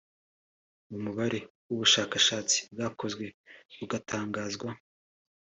ni umubare w’ubushakashatsi bwakozwe bugatangazwa